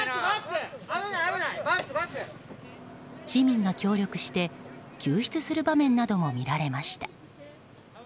市民が協力して救出する場面なども見られました。